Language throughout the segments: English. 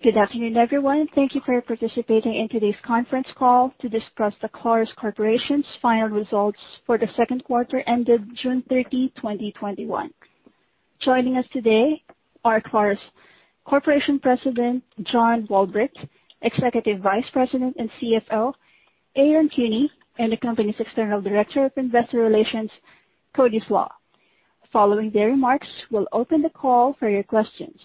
Good afternoon, everyone. Thank you for participating in today's conference call to discuss the Clarus Corporation's final results for the second quarter ended June 30, 2021. Joining us today are Clarus Corporation President, John Walbrecht, Executive Vice President and CFO, Aaron Kuehne, and the company's External Director of Investor Relations, Cody Slach. Following their remarks, we'll open the call for your questions.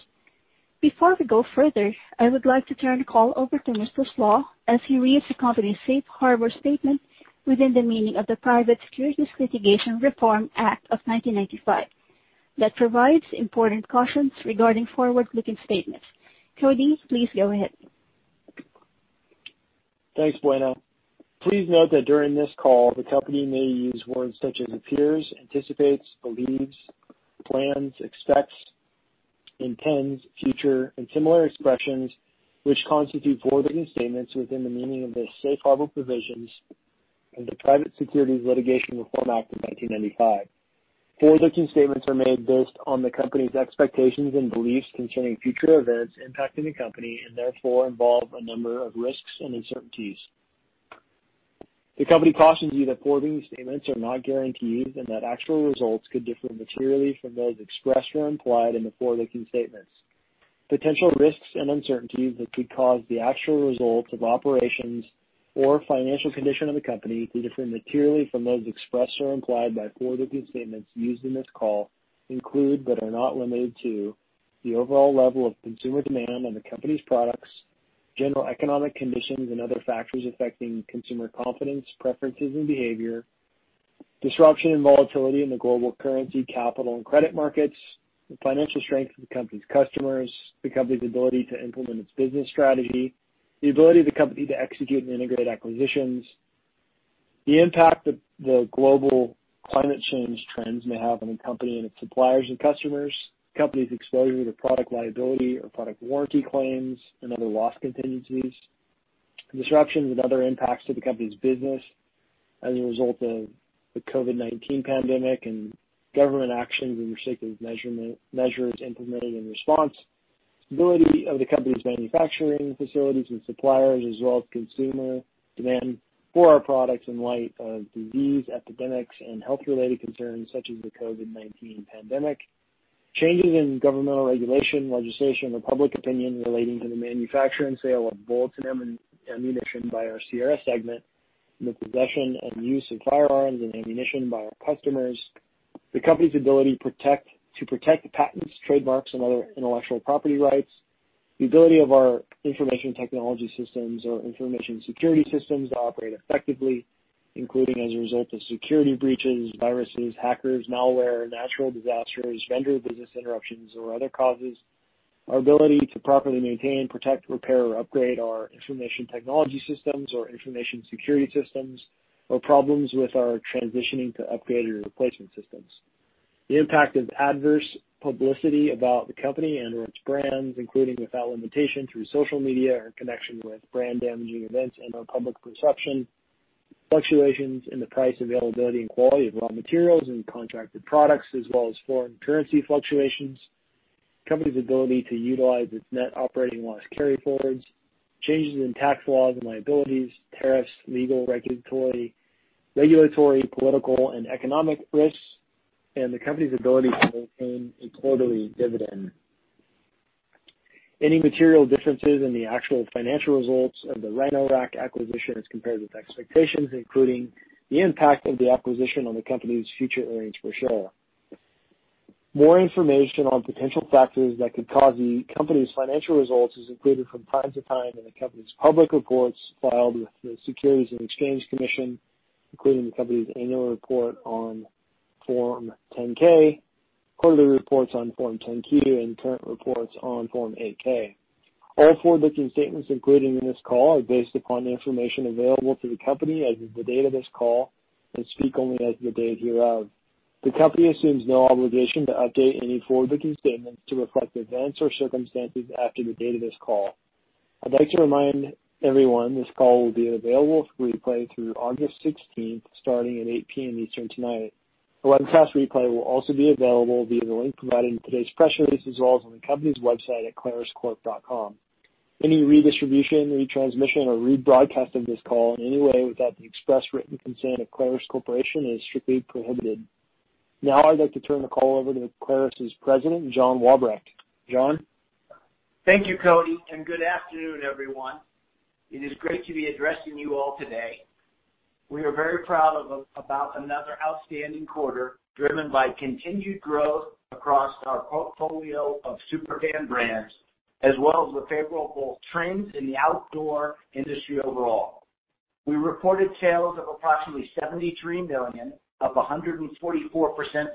Before we go further, I would like to turn the call over to Mr. Slach as he reads the company's safe harbor statement within the meaning of the Private Securities Litigation Reform Act of 1995, that provides important cautions regarding forward-looking statements. Cody, please go ahead. Thanks, Buena. Please note that during this call, the company may use words such as appears, anticipates, believes, plans, expects, intends, future, and similar expressions, which constitute forward-looking statements within the meaning of the safe harbor provisions of the Private Securities Litigation Reform Act of 1995. Forward-looking statements are made based on the company's expectations and beliefs concerning future events impacting the company and therefore involve a number of risks and uncertainties. The company cautions you that forward-looking statements are not guarantees, and that actual results could differ materially from those expressed or implied in the forward-looking statements. Potential risks and uncertainties that could cause the actual results of operations or financial condition of the company to differ materially from those expressed or implied by forward-looking statements used in this call include, but are not limited to, the overall level of consumer demand on the company's products, general economic conditions, and other factors affecting consumer confidence, preferences, and behavior, disruption and volatility in the global currency, capital, and credit markets, the financial strength of the company's customers, the company's ability to implement its business strategy, the ability of the company to execute and integrate acquisitions, the impact that the global climate change trends may have on the company and its suppliers and customers, the company's exposure to product liability or product warranty claims and other loss contingencies, disruptions and other impacts to the company's business as a result of the COVID-19 pandemic. Government actions and restrictive measures implemented in response, stability of the company's manufacturing facilities and suppliers as well as consumer demand for our products in light of disease, epidemics, and health-related concerns such as the COVID-19 pandemic. Changes in governmental regulation, legislation, or public opinion relating to the manufacture and sale of bullets and ammunition by our Sierra segment, and the possession and use of firearms and ammunition by our customers, the company's ability to protect patents, trademarks, and other intellectual property rights, the ability of our information technology systems or information security systems to operate effectively, including as a result of security breaches, viruses, hackers, malware, natural disasters, vendor business interruptions, or other causes, our ability to properly maintain, protect, repair, or upgrade our information technology systems or information security systems, or problems with our transitioning to upgraded replacement systems. The impact of adverse publicity about the company and/or its brands, including without limitation through social media or connection with brand-damaging events and/or public perception, fluctuations in the price, availability, and quality of raw materials and contracted products, as well as foreign currency fluctuations, the company's ability to utilize its net operating loss carryforwards, changes in tax laws and liabilities, tariffs, legal, regulatory, political, and economic risks, and the company's ability to maintain a quarterly dividend. Any material differences in the actual financial results of the Rhino-Rack acquisition as compared with expectations, including the impact of the acquisition on the company's future earnings per share. More information on potential factors that could cause the company's financial results is included from time to time in the company's public reports filed with the Securities and Exchange Commission, including the company's annual report on Form 10-K, quarterly reports on Form 10-Q, and current reports on Form 8-K. All forward-looking statements included in this call are based upon the information available to the company as of the date of this call and speak only as of the date hereof. The company assumes no obligation to update any forward-looking statements to reflect events or circumstances after the date of this call. I'd like to remind everyone this call will be available for replay through August 16th, starting at 8:00 P.M. Eastern tonight. A webcast replay will also be available via the link provided in today's press release as well as on the company's website at claruscorp.com. Any redistribution, retransmission, or rebroadcast of this call in any way without the express written consent of Clarus Corporation is strictly prohibited. Now I'd like to turn the call over to Clarus' President, John Walbrecht. John? Thank you, Cody. Good afternoon, everyone. It is great to be addressing you all today. We are very proud about another outstanding quarter driven by continued growth across our portfolio of super fan brands, as well as the favorable trends in the outdoor industry overall. We reported sales of approximately $73 million of 144%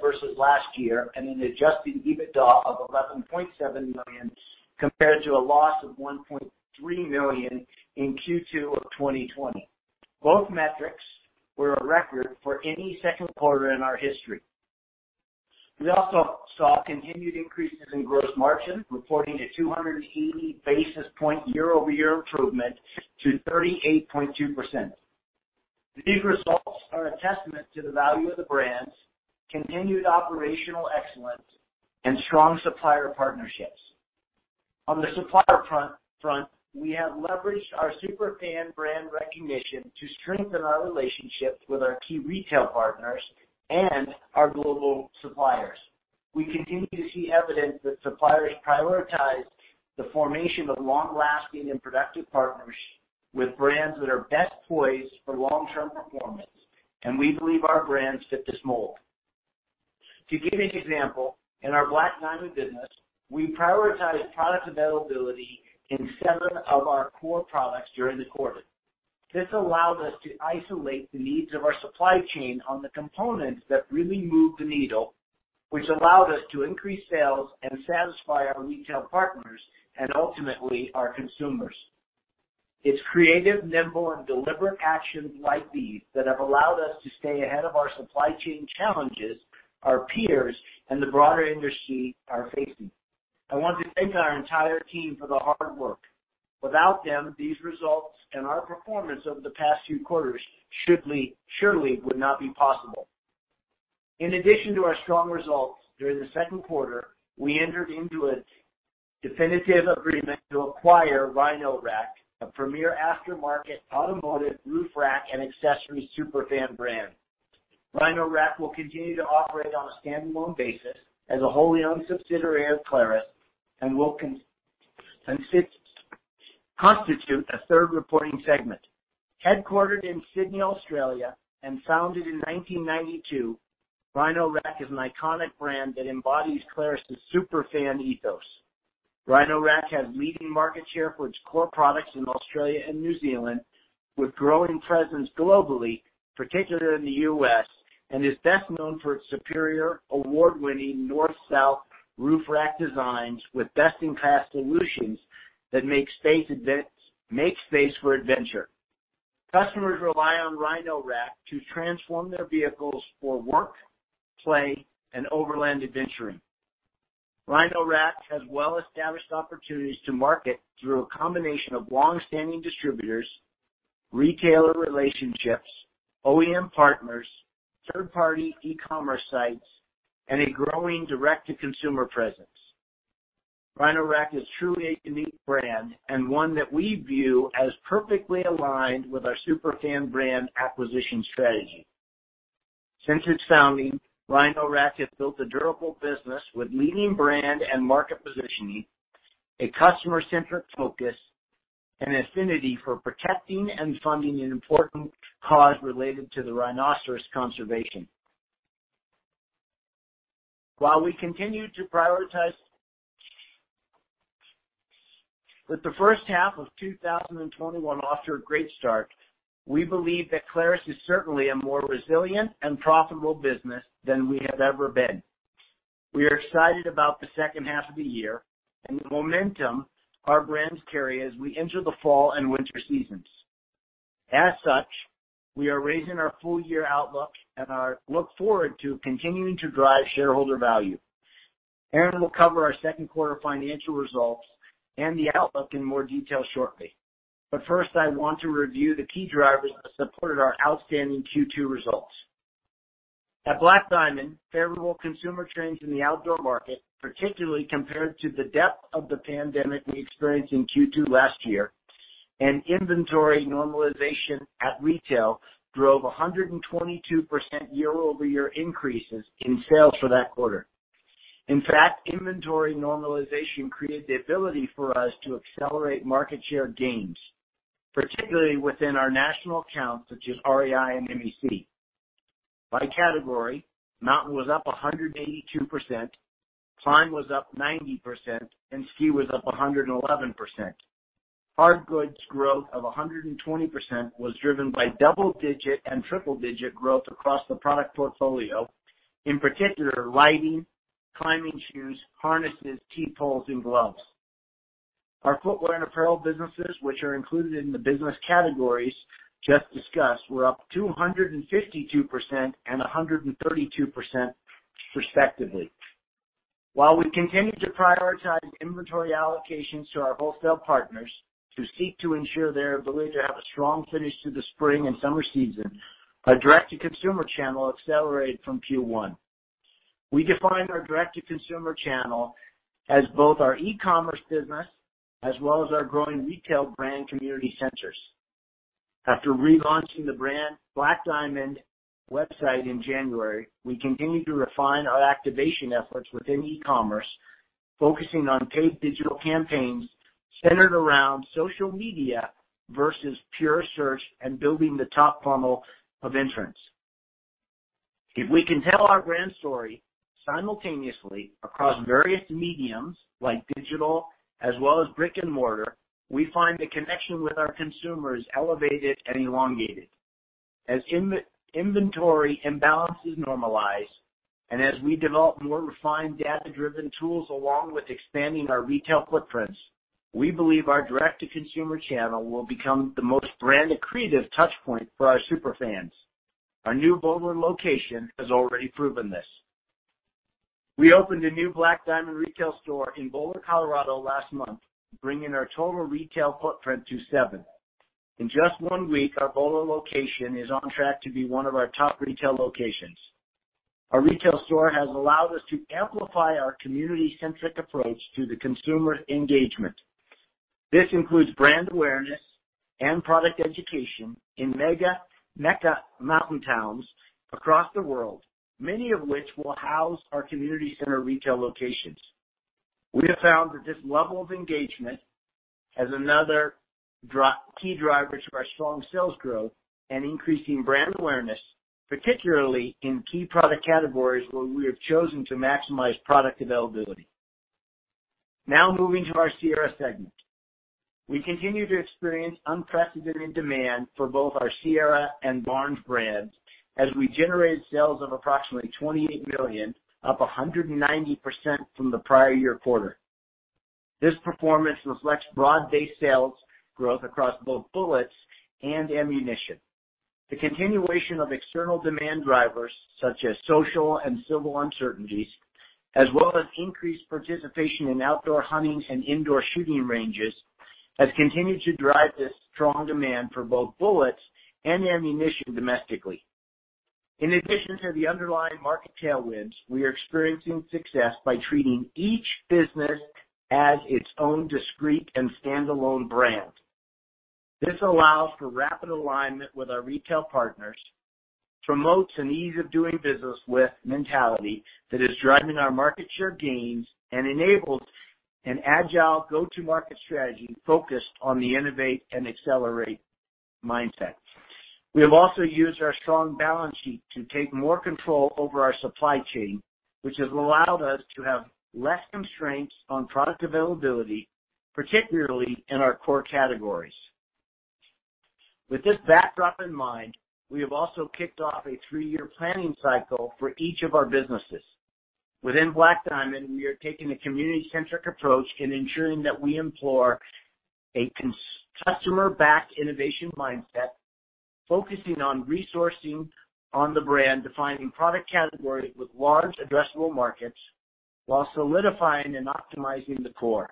versus last year, and an adjusted EBITDA of $11.7 million compared to a loss of $1.3 million in Q2 of 2020. Both metrics were a record for any second quarter in our history. We also saw continued increases in gross margin, reporting a 280 basis point year-over-year improvement to 38.2%. These results are a testament to the value of the brands, continued operational excellence, and strong supplier partnerships. On the supplier front, we have leveraged our super fan brand recognition to strengthen our relationships with our key retail partners and our global suppliers. We continue to see evidence that suppliers prioritize the formation of long-lasting and productive partnerships with brands that are best poised for long-term performance. We believe our brands fit this mold. To give an example, in our Black Diamond business, we prioritized product availability in seven of our core products during the quarter. This allowed us to isolate the needs of our supply chain on the components that really moved the needle, which allowed us to increase sales and satisfy our retail partners and ultimately our consumers. It's creative, nimble and deliberate actions like these that have allowed us to stay ahead of our supply chain challenges our peers and the broader industry are facing. I want to thank our entire team for the hard work. Without them, these results and our performance over the past few quarters surely would not be possible. In addition to our strong results during the second quarter, we entered into a definitive agreement to acquire Rhino-Rack, a premier aftermarket automotive roof rack and accessories super fan brand. Rhino-Rack will continue to operate on a standalone basis as a wholly owned subsidiary of Clarus and will constitute a third reporting segment. Headquartered in Sydney, Australia, and founded in 1992, Rhino-Rack is an iconic brand that embodies Clarus' super fan ethos. Rhino-Rack has leading market share for its core products in Australia and New Zealand, with growing presence globally, particularly in the U.S., and is best known for its superior award-winning north-south roof rack designs with best-in-class solutions that make space for adventure. Customers rely on Rhino-Rack to transform their vehicles for work, play, and overland adventuring. Rhino-Rack has well-established opportunities to market through a combination of longstanding distributors, retailer relationships, OEM partners, third party e-commerce sites, and a growing direct to consumer presence. Rhino-Rack is truly a unique brand and one that we view as perfectly aligned with our super fan brand acquisition strategy. Since its founding, Rhino-Rack has built a durable business with leading brand and market positioning, a customer centric focus, and affinity for protecting and funding an important cause related to the rhinoceros conservation. With the first half of 2021 off to a great start, we believe that Clarus is certainly a more resilient and profitable business than we have ever been. We are excited about the second half of the year and the momentum our brands carry as we enter the fall and winter seasons. As such, we are raising our full year outlook and look forward to continuing to drive shareholder value. Aaron will cover our second quarter financial results and the outlook in more detail shortly. First, I want to review the key drivers that supported our outstanding Q2 results. At Black Diamond, favorable consumer trends in the outdoor market, particularly compared to the depth of the pandemic we experienced in Q2 last year, and inventory normalization at retail drove 122% year-over-year increases in sales for that quarter. In fact, inventory normalization created the ability for us to accelerate market share gains, particularly within our national accounts such as REI and MEC. By category, Mountain was up 182%, Climb was up 90%, and Ski was up 111%. Hardgoods growth of 120% was driven by double-digit and triple-digit growth across the product portfolio, in particular lighting, climbing shoes, harnesses, T poles, and gloves. Our footwear and apparel businesses, which are included in the business categories just discussed, were up 252% and 132% respectively. While we continue to prioritize inventory allocations to our wholesale partners to seek to ensure they are believed to have a strong finish through the spring and summer season, our direct to consumer channel accelerated from Q1. We define our direct to consumer channel as both our e-commerce business as well as our growing retail brand community centers. After relaunching the brand Black Diamond website in January, we continued to refine our activation efforts within e-commerce, focusing on paid digital campaigns centered around social media versus pure search and building the top funnel of entrants. If we can tell our brand story simultaneously across various mediums like digital as well as brick and mortar, we find the connection with our consumers elevated and elongated. As inventory imbalances normalize and as we develop more refined data driven tools along with expanding our retail footprints, we believe our direct to consumer channel will become the most brand accretive touch point for our super fans. Our new Boulder location has already proven this. We opened a new Black Diamond retail store in Boulder, Colorado last month, bringing our total retail footprint to seven. In just one week, our Boulder location is on track to be one of our top retail locations. Our retail store has allowed us to amplify our community-centric approach to the consumer engagement. This includes brand awareness and product education in mecca mountain towns across the world, many of which will house our community center retail locations. We have found that this level of engagement is another key driver to our strong sales growth and increasing brand awareness, particularly in key product categories where we have chosen to maximize product availability. Moving to our Sierra segment. We continue to experience unprecedented demand for both our Sierra and Barnes brands, as we generated sales of approximately $28 million, up 190% from the prior year quarter. This performance reflects broad-based sales growth across both bullets and ammunition. The continuation of external demand drivers such as social and civil uncertainties, as well as increased participation in outdoor hunting and indoor shooting ranges, has continued to drive this strong demand for both bullets and ammunition domestically. In addition to the underlying market tailwinds, we are experiencing success by treating each business as its own discrete and standalone brand. This allows for rapid alignment with our retail partners, promotes an ease of doing business with mentality that is driving our market share gains, and enables an agile go-to-market strategy focused on the innovate and accelerate mindset. We have also used our strong balance sheet to take more control over our supply chain, which has allowed us to have less constraints on product availability, particularly in our core categories. With this backdrop in mind, we have also kicked off a three-year planning cycle for each of our businesses. Within Black Diamond, we are taking a community-centric approach in ensuring that we employ a customer-backed innovation mindset, focusing on resourcing on the brand, defining product categories with large addressable markets while solidifying and optimizing the core.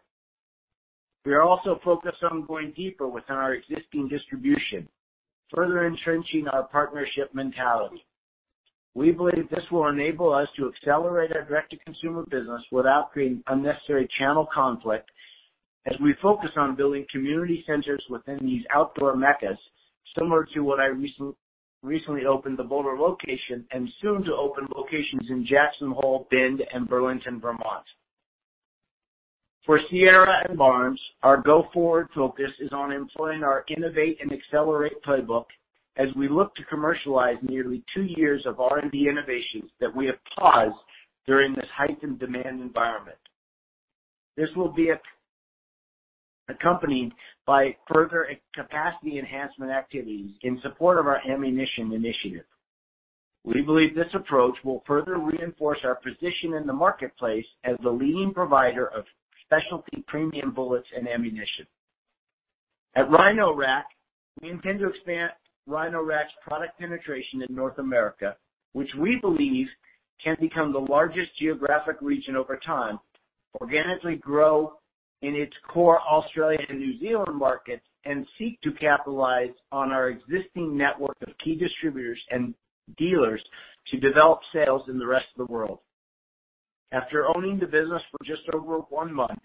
We are also focused on going deeper within our existing distribution, further entrenching our partnership mentality. We believe this will enable us to accelerate our direct-to-consumer business without creating unnecessary channel conflict as we focus on building community centers within these outdoor meccas, similar to what I recently opened, the Boulder location, and soon to open locations in Jackson Hole, Bend, and Burlington, Vermont. For Sierra and Barnes, our go-forward focus is on employing our innovate and accelerate playbook as we look to commercialize nearly two years of R&D innovations that we have paused during this heightened demand environment. This will be accompanied by further capacity enhancement activities in support of our ammunition initiative. We believe this approach will further reinforce our position in the marketplace as the leading provider of specialty premium bullets and ammunition. At Rhino-Rack, we intend to expand Rhino-Rack's product penetration in North America, which we believe can become the largest geographic region over time, organically grow in its core Australia and New Zealand markets, and seek to capitalize on our existing network of key distributors and dealers to develop sales in the rest of the world. After owning the business for just over one month,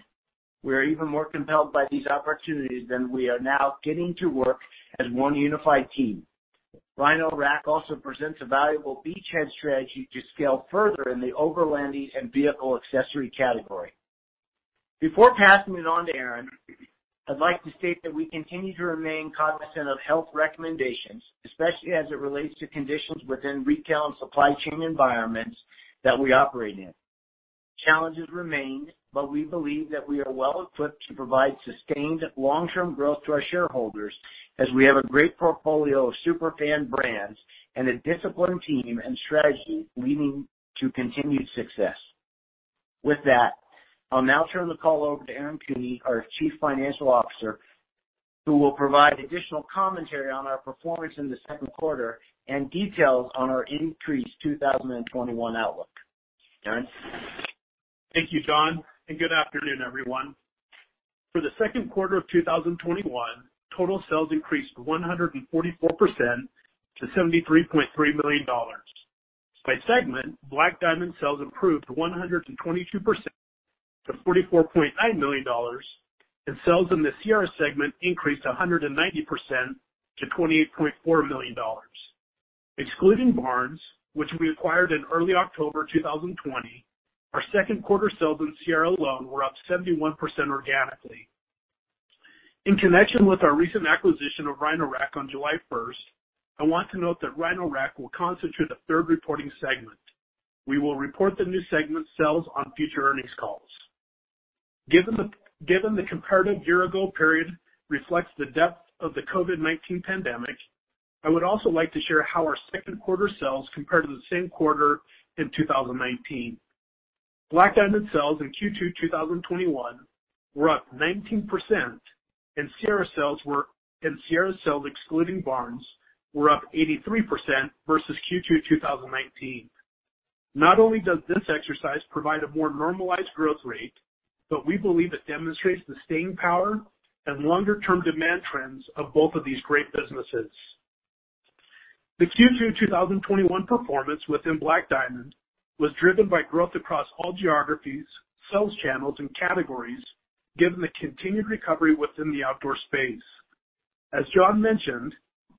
we are even more compelled by these opportunities than we are now getting to work as one unified team. Rhino-Rack also presents a valuable beachhead strategy to scale further in the overlanding and vehicle accessory category. Before passing it on to Aaron, I'd like to state that we continue to remain cognizant of health recommendations, especially as it relates to conditions within retail and supply chain environments that we operate in. Challenges remain, but we believe that we are well equipped to provide sustained long-term growth to our shareholders as we have a great portfolio of super fan brands and a disciplined team and strategy leading to continued success. With that, I'll now turn the call over to Aaron Kuehne our Chief Financial Officer, who will provide additional commentary on our performance in the second quarter and details on our increased 2021 outlook. Aaron? Thank you, John. Good afternoon, everyone. For the second quarter of 2021, total sales increased 144% to $73.3 million. By segment, Black Diamond sales improved 122% to $44.9 million. Sales in the Sierra segment increased 190% to $28.4 million. Excluding Barnes, which we acquired in early October 2020, our second quarter sales in Sierra alone were up 71% organically. In connection with our recent acquisition of Rhino-Rack on July 1st, I want to note that Rhino-Rack will constitute a third reporting segment. We will report the new segment sales on future earnings calls. Given the comparative year-ago period reflects the depth of the COVID-19 pandemic, I would also like to share how our second quarter sales compare to the same quarter in 2019. Black Diamond sales in Q2 2021 were up 19%. Sierra sales excluding Barnes were up 83% versus Q2 2019. Not only does this exercise provide a more normalized growth rate, but we believe it demonstrates the staying power and longer-term demand trends of both of these great businesses. The Q2 2021 performance within Black Diamond was driven by growth across all geographies, sales channels, and categories, given the continued recovery within the outdoor space. As John mentioned,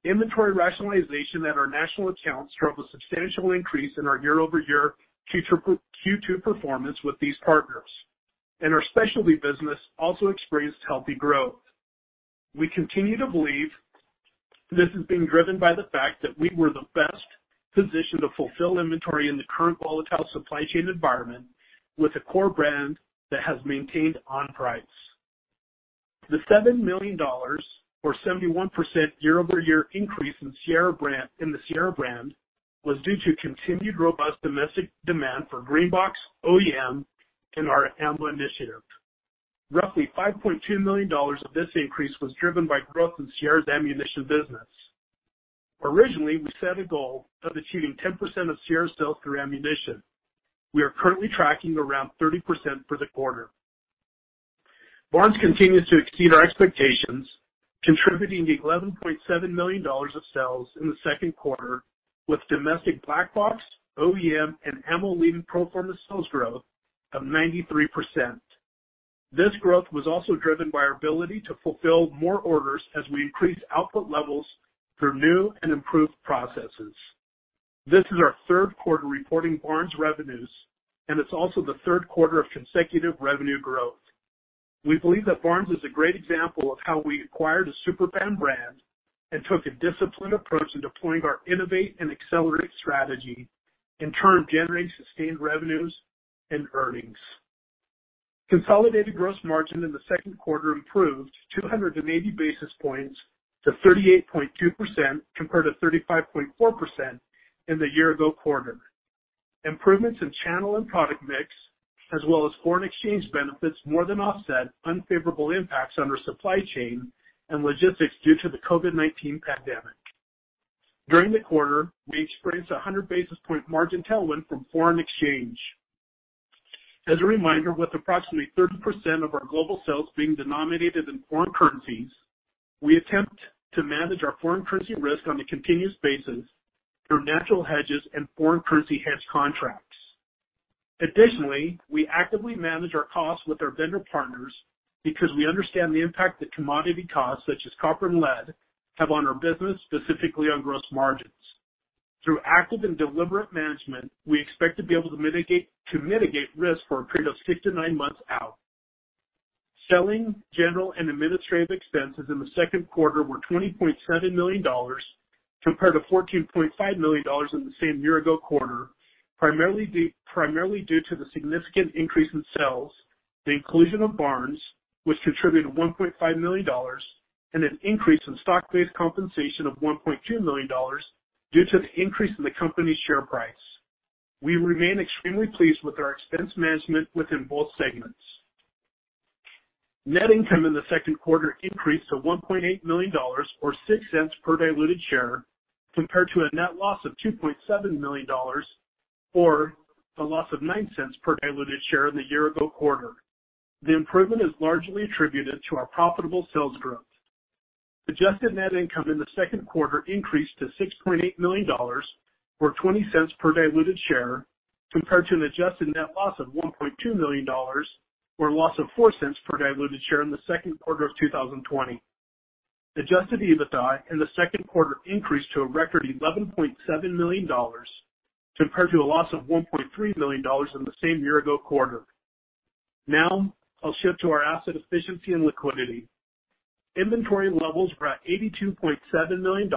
inventory rationalization at our national accounts drove a substantial increase in our year-over-year Q2 performance with these partners. Our specialty business also experienced healthy growth. We continue to believe this is being driven by the fact that we were the best positioned to fulfill inventory in the current volatile supply chain environment with a core brand that has maintained on price. The $7 million or 71% year-over-year increase in the Sierra brand was due to continued robust domestic demand for Green Box, OEM, and our ammo initiative. Roughly $5.2 million of this increase was driven by growth in Sierra's ammunition business. Originally, we set a goal of achieving 10% of Sierra sales through ammunition. We are currently tracking around 30% for the quarter. Barnes continues to exceed our expectations, contributing $11.7 million of sales in the second quarter, with domestic Black Box, OEM, and ammo leading pro forma sales growth of 93%. This growth was also driven by our ability to fulfill more orders as we increased output levels through new and improved processes. This is our third quarter reporting Barnes revenues, and it's also the third quarter of consecutive revenue growth. We believe that Barnes is a great example of how we acquired a super fan brand and took a disciplined approach in deploying our innovate and accelerate strategy, in turn generating sustained revenues and earnings. Consolidated gross margin in the second quarter improved 280 basis points to 38.2%, compared to 35.4% in the year ago quarter. Improvements in channel and product mix, as well as foreign exchange benefits, more than offset unfavorable impacts on our supply chain and logistics due to the COVID-19 pandemic. During the quarter, we experienced 100 basis point margin tailwind from foreign exchange. As a reminder, with approximately 30% of our global sales being denominated in foreign currencies, we attempt to manage our foreign currency risk on a continuous basis through natural hedges and foreign currency hedge contracts. Additionally, we actively manage our costs with our vendor partners because we understand the impact that commodity costs such as copper and lead have on our business, specifically on gross margins. Through active and deliberate management, we expect to be able to mitigate risk for a period of six to nine months out. Selling, general, and administrative expenses in the second quarter were $20.7 million, compared to $14.5 million in the same year ago quarter, primarily due to the significant increase in sales, the inclusion of Barnes, which contributed $1.5 million, and an increase in stock-based compensation of $1.2 million due to the increase in the company's share price. We remain extremely pleased with our expense management within both segments. Net income in the second quarter increased to $1.8 million, or $0.06 per diluted share, compared to a net loss of $2.7 million, or a loss of $0.09 per diluted share in the year ago quarter. The improvement is largely attributed to our profitable sales growth. Adjusted net income in the second quarter increased to $6.8 million, or $0.20 per diluted share, compared to an adjusted net loss of $1.2 million, or a loss of $0.04 per diluted share in the second quarter of 2020. Adjusted EBITDA in the second quarter increased to a record $11.7 million, compared to a loss of $1.3 million in the same year ago quarter. Now, I'll shift to our asset efficiency and liquidity. Inventory levels were at $82.7 million,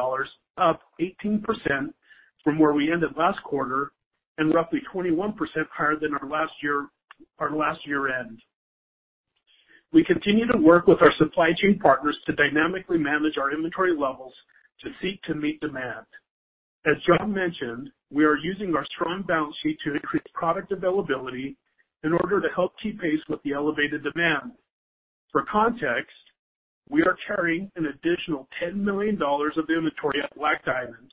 up 18% from where we ended last quarter and roughly 21% higher than our last year end. We continue to work with our supply chain partners to dynamically manage our inventory levels to seek to meet demand. As John mentioned, we are using our strong balance sheet to increase product availability in order to help keep pace with the elevated demand. For context, we are carrying an additional $10 million of inventory at Black Diamond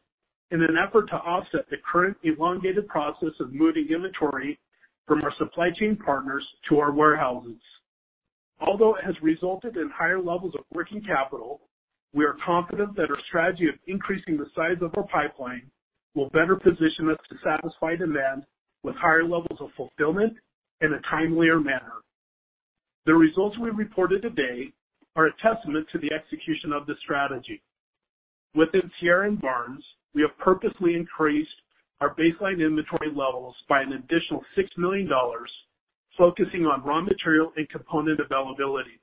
in an effort to offset the current elongated process of moving inventory from our supply chain partners to our warehouses. Although it has resulted in higher levels of working capital, we are confident that our strategy of increasing the size of our pipeline will better position us to satisfy demand with higher levels of fulfillment in a timelier manner. The results we reported today are a testament to the execution of this strategy. Within Sierra and Barnes, we have purposely increased our baseline inventory levels by an additional $6 million, focusing on raw material and component availability.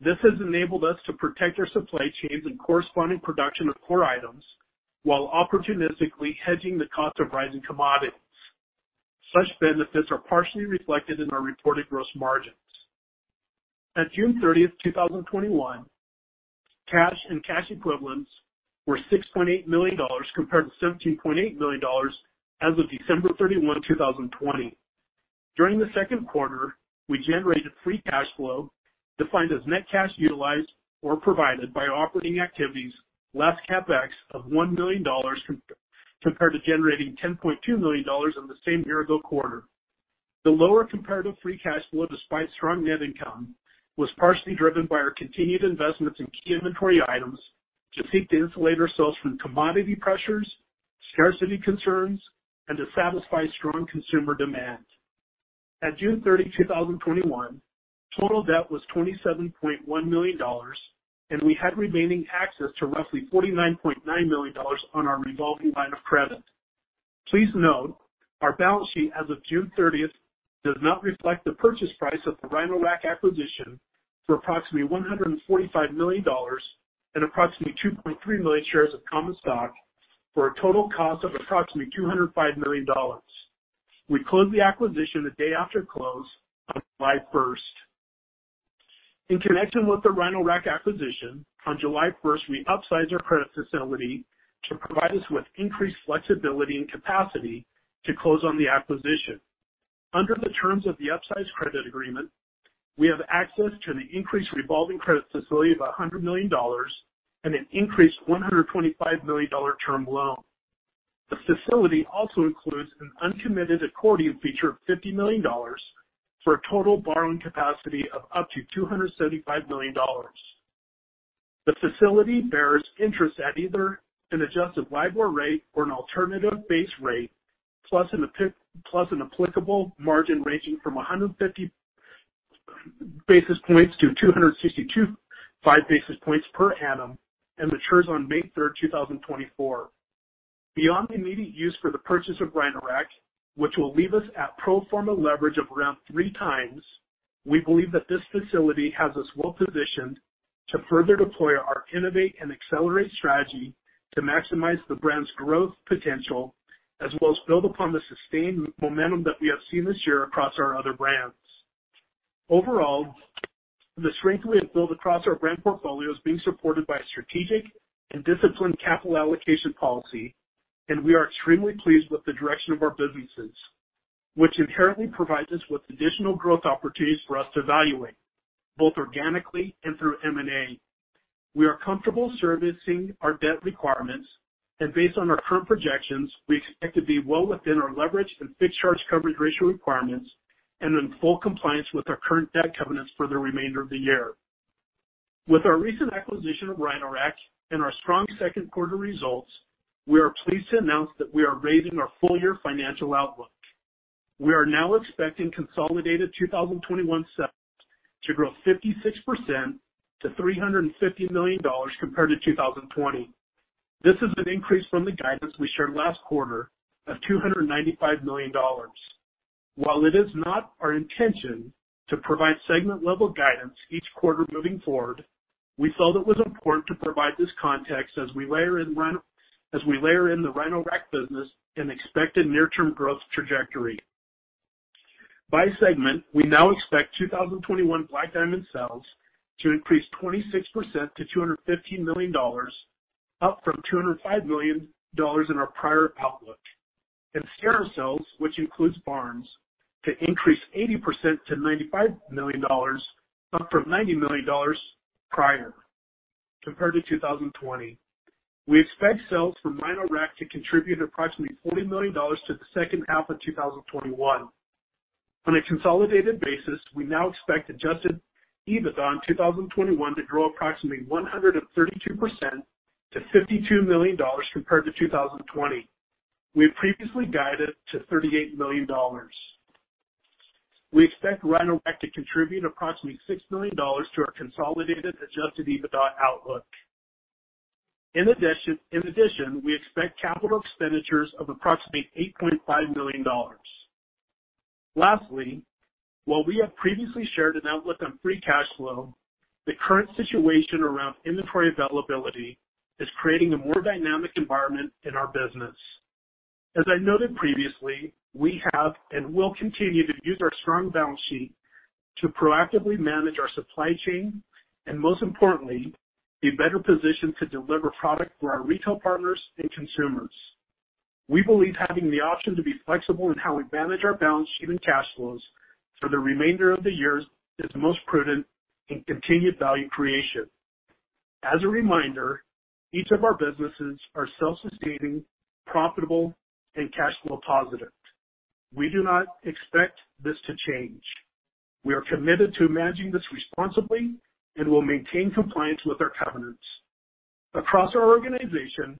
This has enabled us to protect our supply chains and corresponding production of core items while opportunistically hedging the cost of rising commodities. Such benefits are partially reflected in our reported gross margins. At June 30, 2021. Cash and cash equivalents were $6.8 million compared to $17.8 million as of December 31, 2020. During the second quarter, we generated free cash flow defined as net cash utilized or provided by operating activities less CapEx of $1 million compared to generating $10.2 million in the same year ago quarter. The lower comparative free cash flow, despite strong net income, was partially driven by our continued investments in key inventory items to seek to insulate ourselves from commodity pressures, scarcity concerns, and to satisfy strong consumer demand. At June 30, 2021, total debt was $27.1 million, and we had remaining access to roughly $49.9 million on our revolving line of credit. Please note, our balance sheet as of June 30th does not reflect the purchase price of the Rhino-Rack acquisition for approximately $145 million and approximately 2.3 million shares of common stock for a total cost of approximately $205 million. We closed the acquisition a day after close on July 1st. In connection with the Rhino-Rack acquisition, on July 1st, we upsized our credit facility to provide us with increased flexibility and capacity to close on the acquisition. Under the terms of the upsize credit agreement, we have access to the increased revolving credit facility of $100 million and an increased $125 million term loan. The facility also includes an uncommitted accordion feature of $50 million for a total borrowing capacity of up to $275 million. The facility bears interest at either an adjusted LIBOR rate or an alternative base rate, plus an applicable margin ranging from 150 basis points to 262.5 basis points per annum, and matures on May 3rd, 2024. Beyond the immediate use for the purchase of Rhino-Rack, which will leave us at pro forma leverage of around three times, we believe that this facility has us well positioned to further deploy our Innovate and Accelerate Strategy to maximize the brand's growth potential, as well as build upon the sustained momentum that we have seen this year across our other brands. Overall, the strength we have built across our brand portfolio is being supported by a strategic and disciplined capital allocation policy, and we are extremely pleased with the direction of our businesses, which inherently provides us with additional growth opportunities for us to evaluate, both organically and through M&A. We are comfortable servicing our debt requirements, and based on our current projections, we expect to be well within our leverage and fixed charge coverage ratio requirements, and in full compliance with our current debt covenants for the remainder of the year. With our recent acquisition of Rhino-Rack and our strong second quarter results, we are pleased to announce that we are raising our full year financial outlook. We are now expecting consolidated 2021 sales to grow 56% to $350 million compared to 2020. This is an increase from the guidance we shared last quarter of $295 million. While it is not our intention to provide segment level guidance each quarter moving forward, we felt it was important to provide this context as we layer in the Rhino-Rack business and expected near term growth trajectory. By segment, we now expect 2021 Black Diamond sales to increase 26% to $215 million, up from $205 million in our prior outlook. Sierra Sales, which includes Barnes, to increase 80% to $95 million, up from $90 million prior compared to 2020. We expect sales from Rhino-Rack to contribute approximately $40 million to the second half of 2021. On a consolidated basis, we now expect adjusted EBITDA in 2021 to grow approximately 132% to $52 million compared to 2020. We had previously guided to $38 million. We expect Rhino-Rack to contribute approximately $6 million to our consolidated adjusted EBITDA outlook. In addition, we expect capital expenditures of approximately $8.5 million. Lastly, while we have previously shared an outlook on free cash flow, the current situation around inventory availability is creating a more dynamic environment in our business. As I noted previously, we have and will continue to use our strong balance sheet to proactively manage our supply chain and most importantly, be better positioned to deliver product for our retail partners and consumers. We believe having the option to be flexible in how we manage our balance sheet and cash flows for the remainder of the year is most prudent in continued value creation. As a reminder, each of our businesses are self-sustaining, profitable, and cash flow positive. We do not expect this to change. We are committed to managing this responsibly and will maintain compliance with our covenants. Across our organization,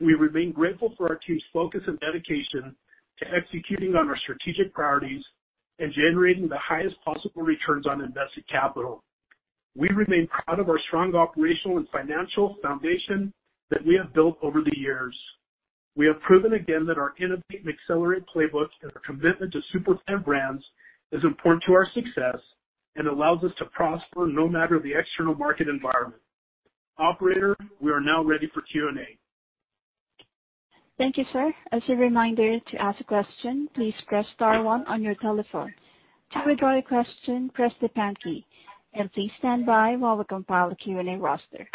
we remain grateful for our team's focus and dedication to executing on our strategic priorities and generating the highest possible returns on invested capital. We remain proud of our strong operational and financial foundation that we have built over the years. We have proven again that our Innovate and Accelerate playbook and our commitment to superfan brands is important to our success and allows us to prosper no matter the external market environment. Operator, we are now ready for Q&A. Thank you, sir. As a reminder, to ask a question, please press star one on your telephone. To withdraw your question, press the pound key, and please stand by while we compile a Q&A roster.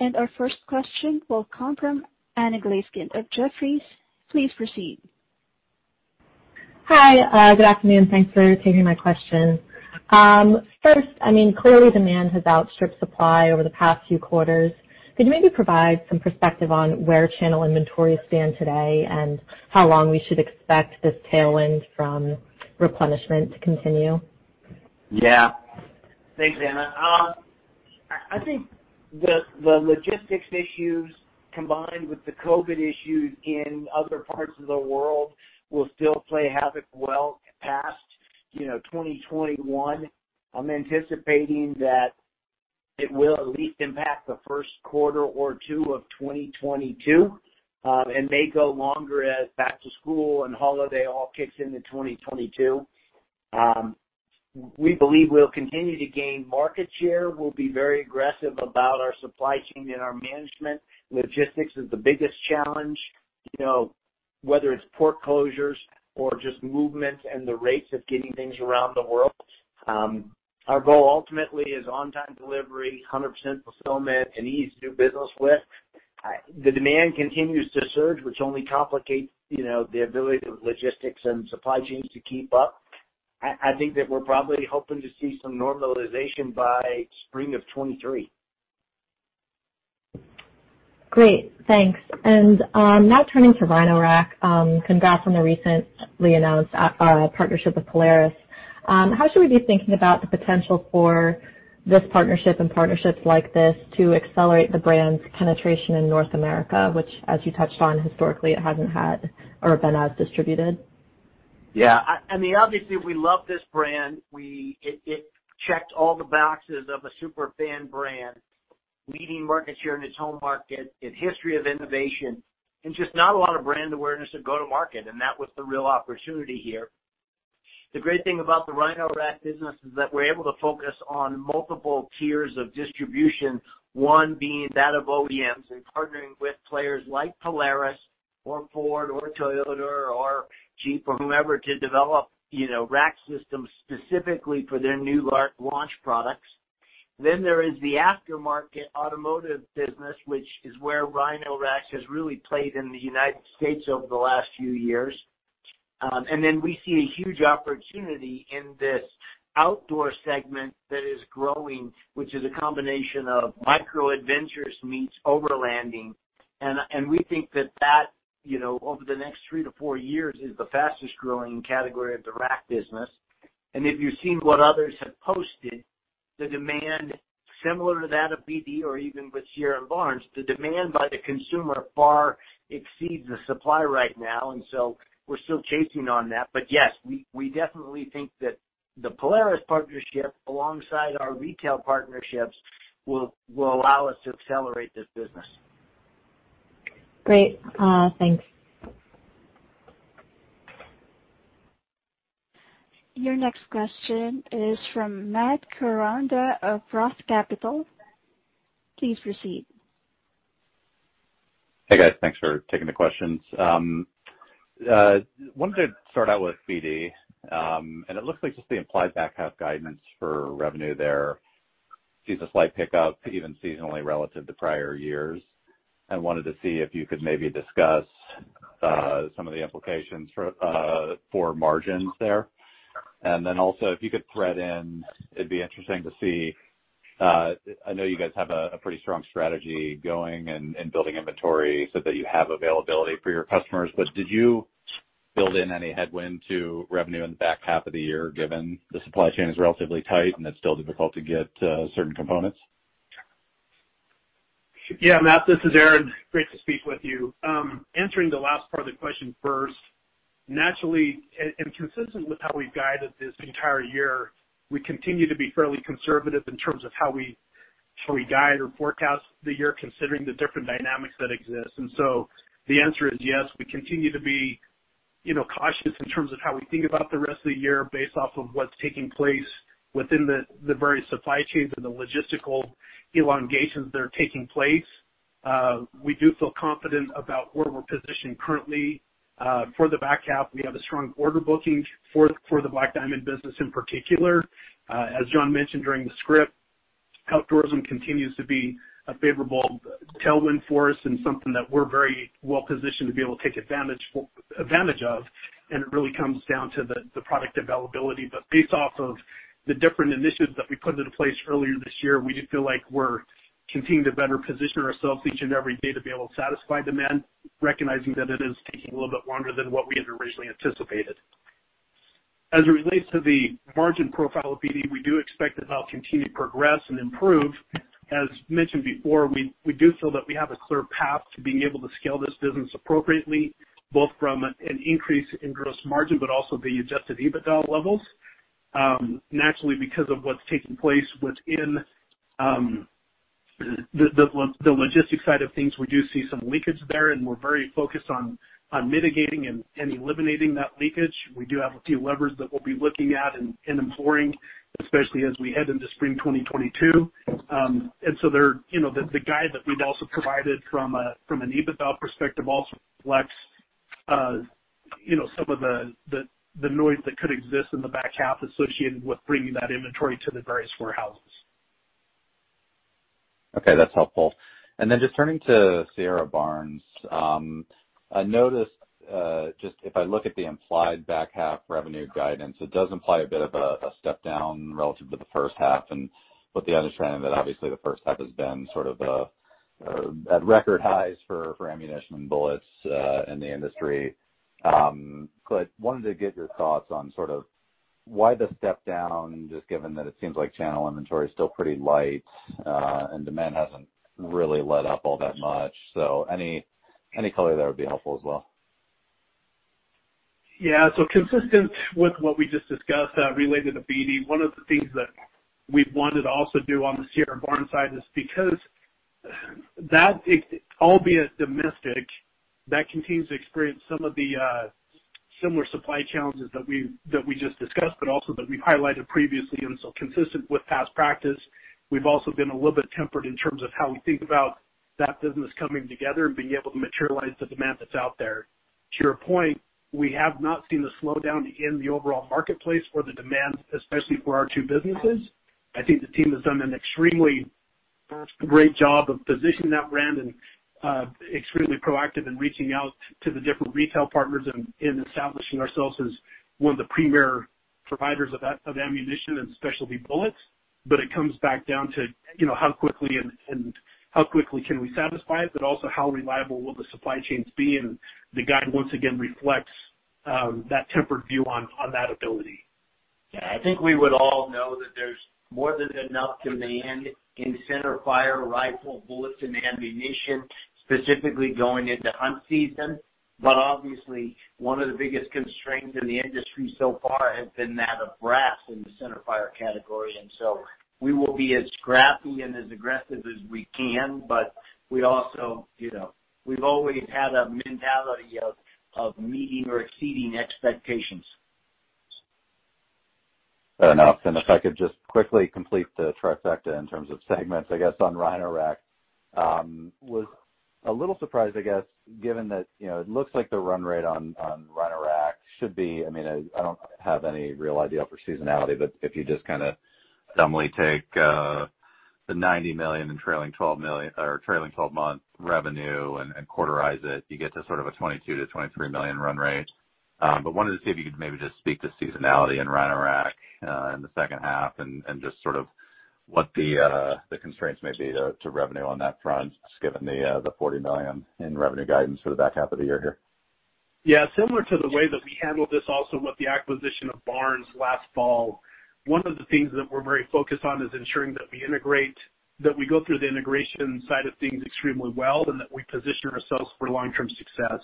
Our first question will come from Anna Glaessgen of Jefferies. Please proceed. Hi. Good afternoon. Thanks for taking my question. Clearly demand has outstripped supply over the past few quarters. Could you maybe provide some perspective on where channel inventories stand today, and how long we should expect this tailwind from replenishment to continue? Yeah. Thanks, Anna. I think the logistics issues, combined with the COVID issues in other parts of the world, will still play havoc well past 2021. I'm anticipating that it will at least impact the first quarter or two of 2022, and may go longer as back to school and holiday all kicks in to 2022. We believe we'll continue to gain market share. We'll be very aggressive about our supply chain and our management. Logistics is the biggest challenge, whether it's port closures or just movement and the rates of getting things around the world. Our goal ultimately is on-time delivery, 100% fulfillment, and ease to do business with. The demand continues to surge, which only complicates the ability of logistics and supply chains to keep up. I think that we're probably hoping to see some normalization by spring of 2023. Great, thanks. Now turning to Rhino-Rack, congrats on the recently announced partnership with Polaris. How should we be thinking about the potential for this partnership and partnerships like this to accelerate the brand's penetration in North America, which, as you touched on, historically it hasn't had or been as distributed? Yeah. Obviously, we love this brand. It checked all the boxes of a superfan brand, leading market share in its home market, its history of innovation, and just not a lot of brand awareness at go to market. That was the real opportunity here. The great thing about the Rhino-Rack business is that we're able to focus on multiple tiers of distribution, one being that of OEMs and partnering with players like Polaris or Ford or Toyota or Jeep or whomever, to develop rack systems specifically for their new launch products. There is the aftermarket automotive business, which is where Rhino-Rack has really played in the U.S. over the last few years. We see a huge opportunity in this outdoor segment that is growing, which is a combination of micro-adventurous meets overlanding. We think that that, over the next three to four years, is the fastest growing category of the rack business. If you've seen what others have posted, the demand similar to that of BD or even with Sierra Barnes, the demand by the consumer far exceeds the supply right now, we're still chasing on that. Yes, we definitely think that the Polaris partnership, alongside our retail partnerships, will allow us to accelerate this business. Great. Thanks. Your next question is from Matt Koranda of ROTH Capital. Please proceed. Hey, guys. Thanks for taking the questions. Wanted to start out with BD. It looks like just the implied back half guidance for revenue there sees a slight pickup even seasonally relative to prior years. I wanted to see if you could maybe discuss some of the implications for margins there. Also, if you could thread in, it'd be interesting to see, I know you guys have a pretty strong strategy going and building inventory so that you have availability for your customers, but did you build in any headwind to revenue in the back half of the year, given the supply chain is relatively tight and it's still difficult to get certain components? Yeah, Matt, this is Aaron. Great to speak with you. Answering the last part of the question first, naturally and consistent with how we've guided this entire year, we continue to be fairly conservative in terms of how we guide or forecast the year considering the different dynamics that exist. The answer is yes, we continue to be cautious in terms of how we think about the rest of the year based off of what's taking place within the various supply chains and the logistical elongations that are taking place. We do feel confident about where we're positioned currently. For the back half, we have a strong order booking for the Black Diamond business in particular. As John mentioned during the script, outdoorsman continues to be a favorable tailwind for us and something that we're very well positioned to be able to take advantage of, and it really comes down to the product availability. Based off of the different initiatives that we put into place earlier this year, we do feel like we're continuing to better position ourselves each and every day to be able to satisfy demand, recognizing that it is taking a little bit longer than what we had originally anticipated. As it relates to the margin profile of BD, we do expect that that'll continue to progress and improve. As mentioned before, we do feel that we have a clear path to being able to scale this business appropriately, both from an increase in gross margin, but also the adjusted EBITDA levels. Naturally, because of what's taking place within the logistics side of things, we do see some leakage there, and we're very focused on mitigating and eliminating that leakage. We do have a few levers that we'll be looking at and employing, especially as we head into spring 2022. The guide that we've also provided from an EBITDA perspective also reflects some of the noise that could exist in the back half associated with bringing that inventory to the various warehouses. Okay, that's helpful. Just turning to Sierra Barnes. I noticed, just if I look at the implied back half revenue guidance, it does imply a bit of a step down relative to the first half. With the understanding that obviously the first half has been sort of at record highs for ammunition and bullets in the industry. Wanted to get your thoughts on sort of why the step down, just given that it seems like channel inventory is still pretty light, and demand hasn't really let up all that much. Any color there would be helpful as well. Yeah. Consistent with what we just discussed, related to BD, one of the things that we've wanted to also do on the Sierra Barnes side is because that, albeit domestic, that continues to experience some of the similar supply challenges that we just discussed, but also that we've highlighted previously. Consistent with past practice, we've also been a little bit tempered in terms of how we think about that business coming together and being able to materialize the demand that's out there. To your point, we have not seen the slowdown in the overall marketplace for the demand, especially for our two businesses. I think the team has done an extremely great job of positioning that brand and extremely proactive in reaching out to the different retail partners and in establishing ourselves as one of the premier providers of ammunition and specialty bullets. It comes back down to how quickly can we satisfy it, but also how reliable will the supply chains be, and the guide once again reflects that tempered view on that ability. Yeah, I think we would all know that there's more than enough demand in centerfire rifle bullets and ammunition, specifically going into hunt season. Obviously one of the biggest constraints in the industry so far has been that of brass in the centerfire category, and so we will be as scrappy and as aggressive as we can. We've always had a mentality of meeting or exceeding expectations. Fair enough. If I could just quickly complete the trifecta in terms of segments, I guess, on Rhino-Rack. Was a little surprised, I guess, given that it looks like the run rate on Rhino-Rack should be, I don't have any real idea for seasonality, but if you just kind of dumbly take the $90 million in trailing 12 months revenue and quarterize it, you get to sort of a $22 million-$23 million run rate. Wanted to see if you could maybe just speak to seasonality in Rhino-Rack in the second half and just sort of what the constraints may be to revenue on that front, just given the $40 million in revenue guidance for the back half of the year here. Yeah, similar to the way that we handled this also with the acquisition of Barnes last fall. One of the things that we're very focused on is ensuring that we go through the integration side of things extremely well, and that we position ourselves for long-term success.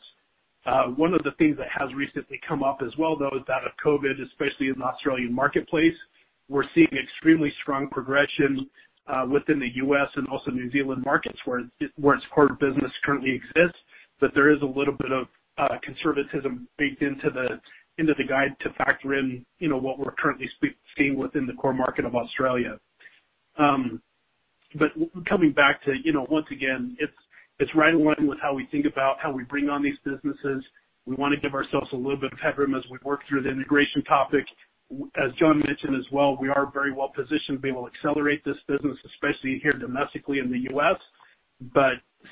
One of the things that has recently come up as well, though, is that of COVID, especially in the Australian marketplace. We're seeing extremely strong progression within the U.S. and also New Zealand markets where its core business currently exists. There is a little bit of conservatism baked into the guide to factor in what we're currently seeing within the core market of Australia. Coming back to, once again, it's right in line with how we think about how we bring on these businesses. We want to give ourselves a little bit of headroom as we work through the integration topic. As John mentioned as well, we are very well positioned to be able to accelerate this business, especially here domestically in the U.S.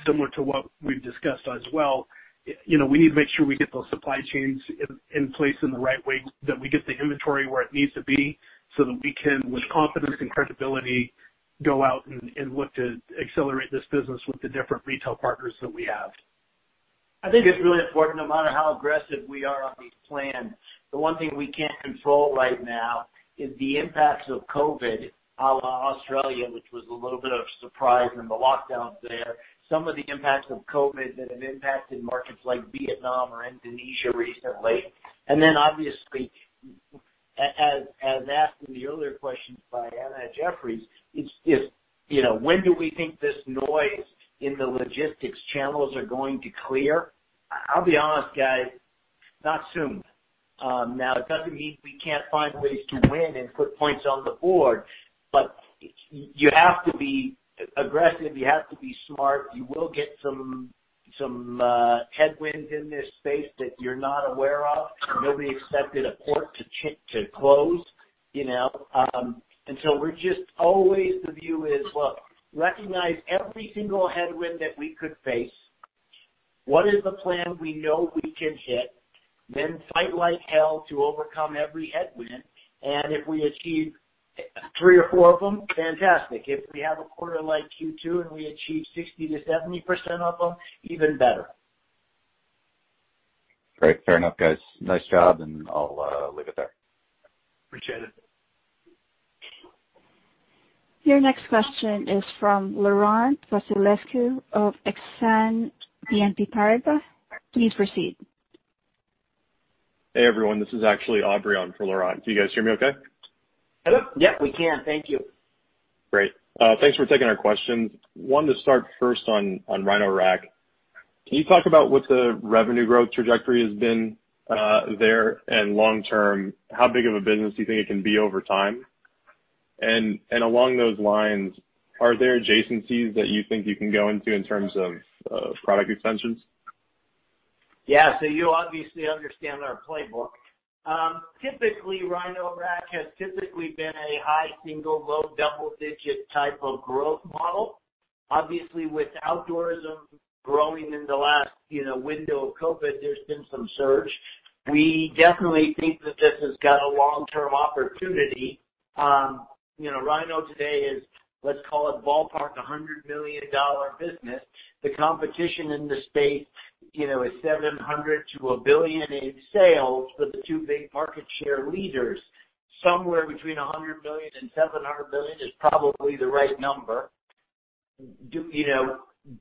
Similar to what we've discussed as well, we need to make sure we get those supply chains in place in the right way, that we get the inventory where it needs to be so that we can, with confidence and credibility, go out and look to accelerate this business with the different retail partners that we have. I think it's really important, no matter how aggressive we are on these plans, the one thing we can't control right now is the impacts of COVID a la Australia, which was a little bit of a surprise in the lockdowns there. Some of the impacts of COVID that have impacted markets like Vietnam or Indonesia recently, and then obviously, as asked in the earlier questions by Anna at Jefferies, it's just when do we think this noise in the logistics channels are going to clear? I'll be honest, guys, not soon. Now, it doesn't mean we can't find ways to win and put points on the board, but you have to be aggressive. You have to be smart. You will get some headwinds in this space that you're not aware of. Nobody expected a port to close. we're just always the view is, well, recognize every single headwind that we could face. What is the plan we know we can hit? fight like hell to overcome every headwind, and if we achieve three or four of them, fantastic. If we have a quarter like Q2 and we achieve 60%-70% of them, even better. Great. Fair enough, guys. Nice job, and I'll leave it there. Appreciate it. Your next question is from Laurent Vasilescu of Exane BNP Paribas. Please proceed. Hey, everyone. This is actually Aubrion for Laurent. Do you guys hear me okay? Yep. Yep, we can. Thank you. Great. Thanks for taking our questions. Wanted to start first on Rhino-Rack. Can you talk about what the revenue growth trajectory has been there and long term, how big of a business do you think it can be over time? Along those lines, are there adjacencies that you think you can go into in terms of product extensions? Yeah. You obviously understand our playbook. Typically, Rhino-Rack has typically been a high single, low double digit type of growth model. Obviously, with outdoorism growing in the last window of COVID, there's been some surge. We definitely think that this has got a long-term opportunity. Rhino today is, let's call it ballpark, a $100 million business. The competition in the space is 700 to 1 billion in sales for the two big market share leaders. Somewhere between 100 million and 700 million is probably the right number. To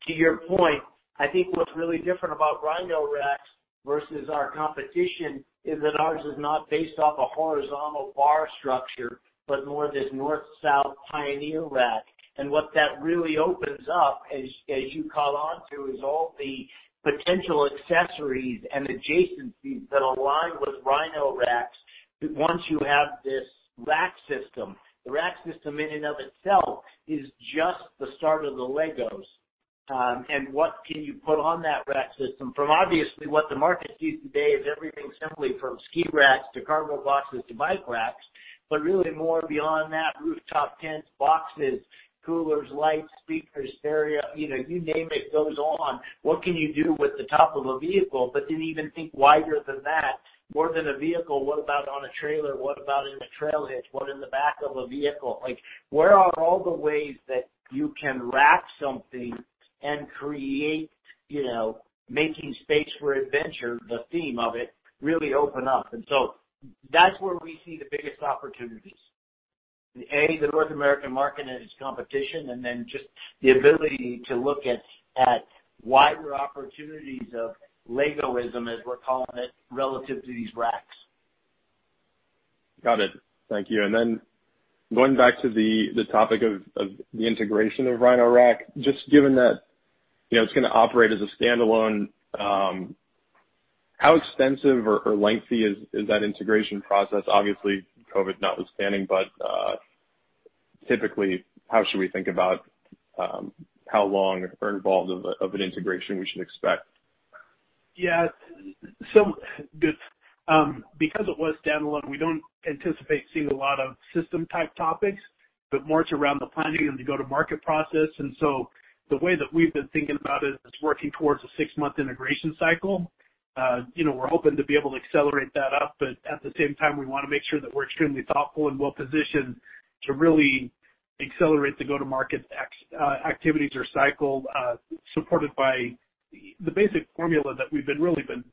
your point, I think what's really different about Rhino-Rack versus our competition is that ours is not based off a horizontal bar structure, but more this North South Pioneer rack. What that really opens up, as you caught onto, is all the potential accessories and adjacencies that align with Rhino-Racks once you have this rack system. The rack system in and of itself is just the start of the Legos and what can you put on that rack system from obviously what the market sees today is everything simply from ski racks to cargo boxes to bike racks, but really more beyond that, rooftop tents, boxes, coolers, lights, speakers, stereo, you name it, goes on. What can you do with the top of a vehicle? Even think wider than that, more than a vehicle, what about on a trailer? What about in a trailer hitch? What in the back of a vehicle? Where are all the ways that you can rack something and create making space for adventure, the theme of it, really open up. That's where we see the biggest opportunities. A, the North American market and its competition, and then just the ability to look at wider opportunities of Legoism, as we're calling it, relative to these racks. Got it. Thank you. Going back to the topic of the integration of Rhino-Rack, just given that it's going to operate as a standalone, how extensive or lengthy is that integration process? Obviously, COVID notwithstanding, but typically, how should we think about how long or involved of an integration we should expect? Yeah. Because it was standalone, we don't anticipate seeing a lot of system type topics, but more it's around the planning and the go-to-market process. The way that we've been thinking about it is working towards a six-month integration cycle. We're hoping to be able to accelerate that up, but at the same time, we want to make sure that we're extremely thoughtful and well-positioned to really accelerate the go-to-market activities or cycle, supported by the basic formula that we've really been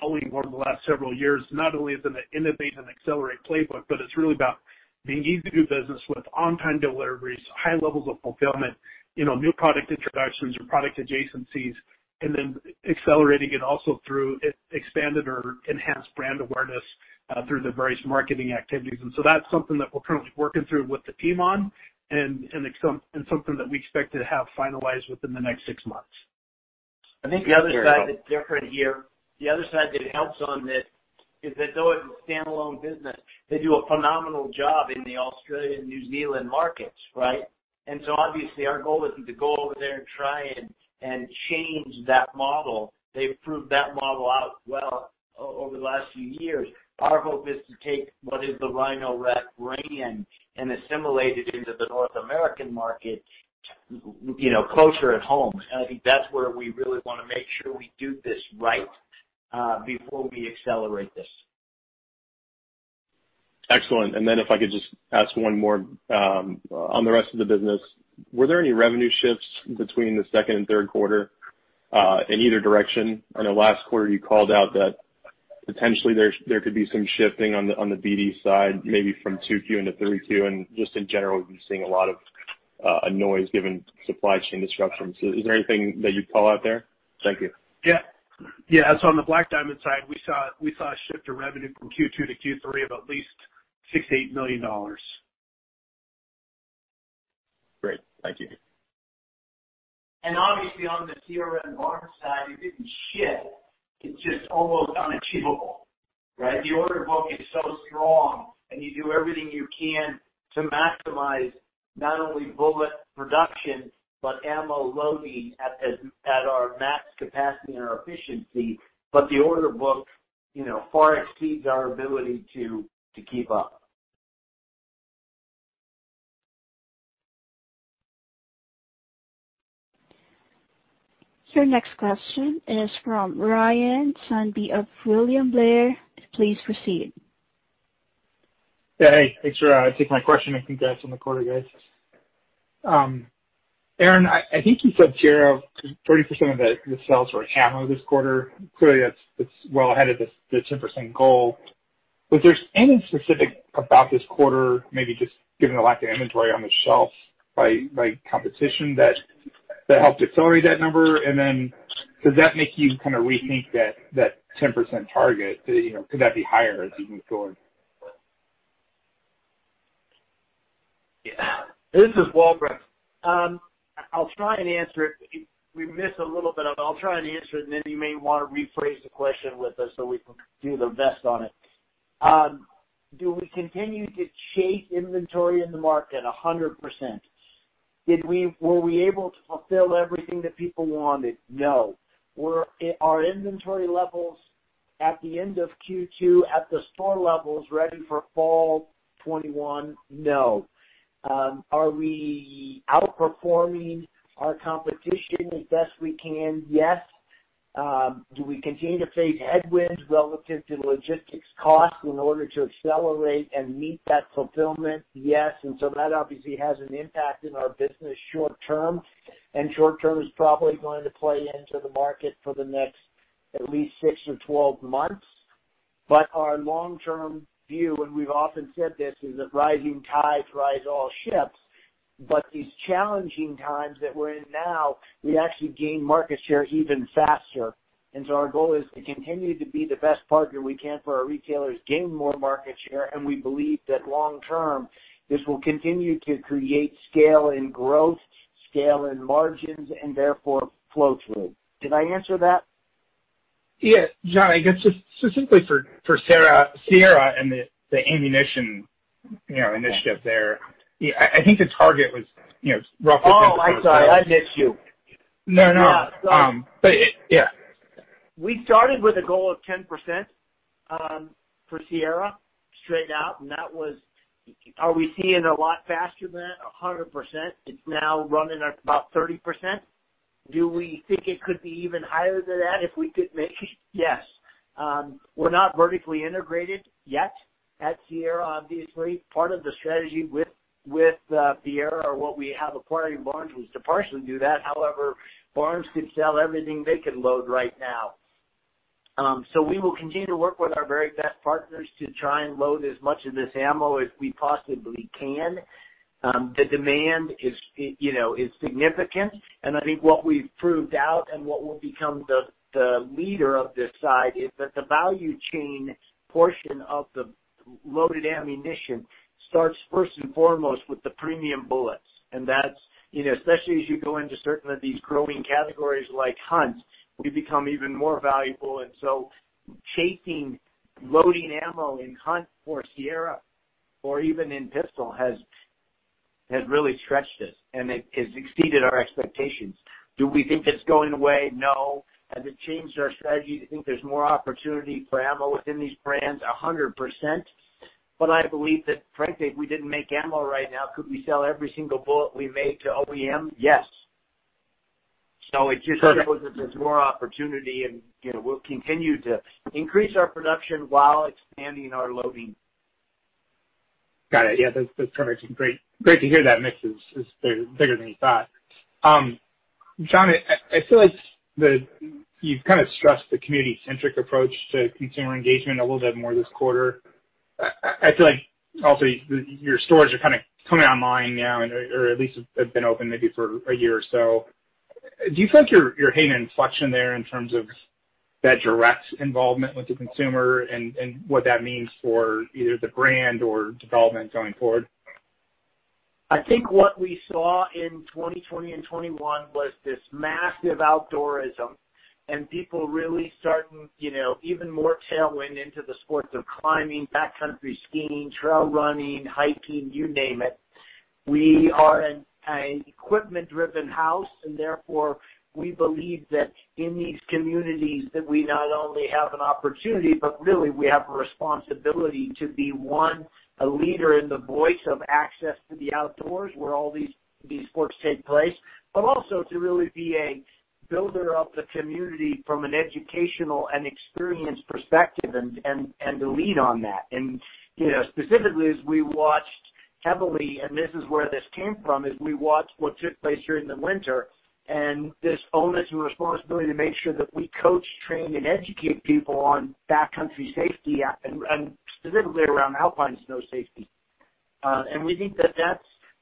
following over the last several years. Not only is it an innovate and accelerate playbook, but it's really about being easy to do business with on-time deliveries, high levels of fulfillment, new product introductions or product adjacencies, and then accelerating it also through expanded or enhanced brand awareness through the various marketing activities. That's something that we're currently working through with the team on and something that we expect to have finalized within the next six months. I think the other side that's different here, the other side that helps on this is that though it's a standalone business, they do a phenomenal job in the Australian, New Zealand markets, right? Obviously our goal isn't to go over there and try and change that model. They've proved that model out well over the last few years. Our hope is to take what is the Rhino-Rack brand and assimilate it into the North American market closer at home. I think that's where we really want to make sure we do this right before we accelerate this. Excellent. If I could just ask one more on the rest of the business. Were there any revenue shifts between the second and third quarter in either direction? I know last quarter you called out that potentially there could be some shifting on the BD side, maybe from 2Q into 3Q, and just in general, we've been seeing a lot of noise given supply chain disruptions. Is there anything that you'd call out there? Thank you. Yeah. On the Black Diamond side, we saw a shift of revenue from Q2 to Q3 of at least $68 million. Great. Thank you. Obviously on the Sierra and Barnes side, you didn't shift. It's just almost unachievable, right? The order book is so strong and you do everything you can to maximize not only bullet production, but ammo loading at our max capacity and our efficiency. The order book far exceeds our ability to keep up. Your next question is from Ryan Sundby of William Blair. Please proceed. Hey, thanks for taking my question, and congrats on the quarter, guys. Aaron, I think you said here 30% of the sales were ammo this quarter. Clearly, that's well ahead of the 10% goal. Was there any specific about this quarter, maybe just given the lack of inventory on the shelf by competition that helped accelerate that number? Does that make you kind of rethink that 10% target? Could that be higher as you move forward? Yeah. This is Walbrecht. I'll try and answer it. We missed a little bit of it. I'll try and answer it, and then you may want to rephrase the question with us so we can do the best on it. Do we continue to chase inventory in the market? 100%. Were we able to fulfill everything that people wanted? No. Were our inventory levels at the end of Q2 at the store levels ready for fall 2021? No. Are we outperforming our competition as best we can? Yes. Do we continue to face headwinds relative to logistics costs in order to accelerate and meet that fulfillment? Yes. That obviously has an impact in our business short term, and short term is probably going to play into the market for the next at least six or 12 months. Our long-term view, and we've often said this, is that rising tides rise all ships. These challenging times that we're in now, we actually gain market share even faster. Our goal is to continue to be the best partner we can for our retailers, gain more market share, and we believe that long term, this will continue to create scale and growth, scale and margins, and therefore flow through. Did I answer that? Yeah. John, I guess just specifically for Sierra and the ammunition initiative there, I think the target was roughly- Oh, I'm sorry. I missed you. No. yeah. We started with a goal of 10% for Sierra straight out. Are we seeing a lot faster than that? 100%. It's now running at about 30%. Do we think it could be even higher than that if we could make it? Yes. We're not vertically integrated yet at Sierra, obviously. Part of the strategy with Sierra or what we have acquiring Barnes was to partially do that. However, Barnes could sell everything they can load right now. We will continue to work with our very best partners to try and load as much of this ammo as we possibly can. The demand is significant, and I think what we've proved out and what will become the leader of this side is that the value chain portion of the loaded ammunition starts first and foremost with the premium bullets, and especially as you go into certain of these growing categories like hunt, we become even more valuable. chasing loading ammo in hunt for Sierra or even in pistol has really stretched us, and it has exceeded our expectations. Do we think it's going away? No. Has it changed our strategy to think there's more opportunity for ammo within these brands? 100%. I believe that, frankly, if we didn't make ammo right now, could we sell every single bullet we made to OEM? Yes. it just shows that there's more opportunity, and we'll continue to increase our production while expanding our loading. Got it. Yeah, that's great to hear that mix is bigger than you thought. John, I feel like you've kind of stressed the community-centric approach to consumer engagement a little bit more this quarter. I feel like also your stores are kind of coming online now, or at least have been open maybe for a year or so. Do you feel like you're hitting an inflection there in terms of that direct involvement with the consumer and what that means for either the brand or development going forward? I think what we saw in 2020 and 2021 was this massive outdoorism and people really starting even more tailwind into the sports of climbing, backcountry skiing, trail running, hiking, you name it. We are an equipment-driven house, and therefore, we believe that in these communities that we not only have an opportunity, but really we have a responsibility to be, one, a leader in the voice of access to the outdoors where all these sports take place, but also to really be a builder of the community from an educational and experience perspective and to lead on that. specifically as we watched heavily, and this is where this came from, is we watched what took place during the winter and this onus and responsibility to make sure that we coach, train, and educate people on backcountry safety and specifically around alpine snow safety. We think that